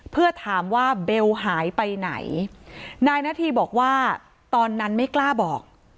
เพื่อถามว่าเบลหายไปไหนนายนาธีบอกว่าตอนนั้นไม่กล้าบอก